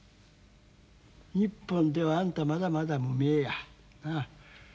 日本ではあんたまだまだ無名や。なあ。